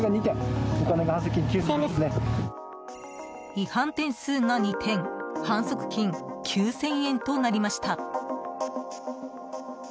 違反点数が２点反則金９０００円となりました。